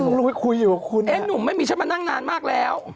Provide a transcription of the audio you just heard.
ลุงลงไปคุยอยู่กับคุณเอ๊ะหนุ่มไม่มีฉันมานั่งนานมากแล้ว